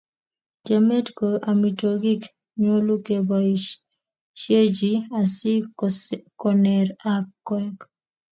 Chomnyet kou amitwogiik, nyolu keboisyechi asi koner ak koet.